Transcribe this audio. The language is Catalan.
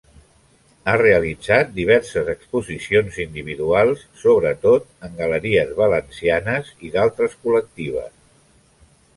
Ha realitzat diverses exposicions individuals, sobretot en galeries valencianes, i d'altres col·lectives.